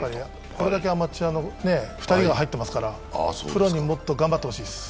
これだけアマチュアの２人が入ってますからプロにもっと頑張ってもらいたいです。